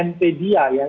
ini adalah suku anggaran